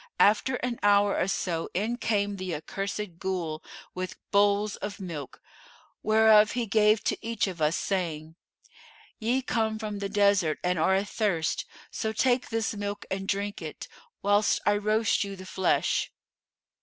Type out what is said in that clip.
After an hour or so in came the accursed Ghul with bowls of milk, whereof he gave to each of us, saying, 'Ye come from the desert and are athirst: so take this milk and drink it, whilst I roast you the flesh.